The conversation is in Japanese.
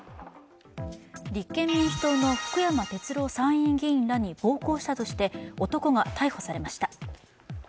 立憲民主党の福山哲郎参院議員らに暴行したとして男が逮捕されました。